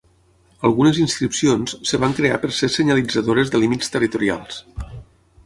Algunes inscripcions es van crear per ser senyalitzadores de límits territorials.